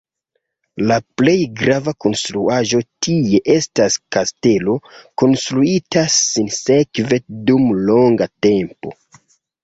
La plej grava konstruaĵo tie estas kastelo, konstruita sinsekve dum longa tempo.